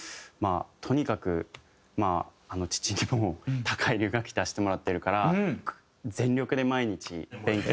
あとにかく父にも高い留学費出してもらってるから全力で毎日勉強して。